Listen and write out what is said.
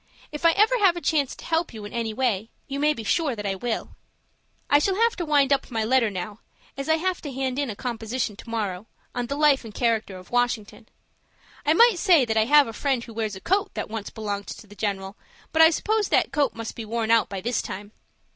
If I ever have a chance to help you in any way, you may be sure that I will. "I shall have to wind up my letter now, as I have to hand in a composition to morrow, on the life and character of Washington. I might say that I have a friend who wears a coat that once belonged to the general. But I suppose that coat must be worn out by this time.